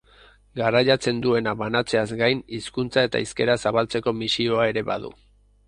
Garraiatzen duena banatzeaz gain, hizkuntza eta hizkera zabaltzeko misioa ere badu.